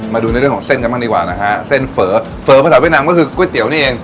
มาดูในเรื่องของเส้นกันบ้างดีกว่านะฮะเส้นเฝอเฝอภาษาเวียดนามก็คือก๋วยเตี๋ยวนี่เอง